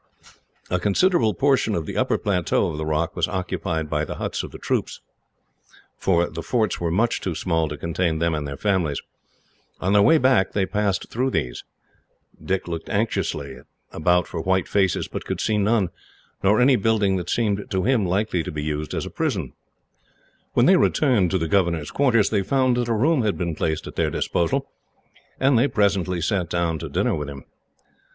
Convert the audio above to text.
A considerable portion of the upper plateau of the rock was occupied by the huts of the troops, for the forts were much too small to contain them and their families. On their way back, they passed through these. Dick looked anxiously about for white faces, but could see none, nor any building that seemed to him likely to be used as a prison. When they returned to the governor's quarters, they found that a room had been placed at their disposal, and they presently sat down to dinner with him.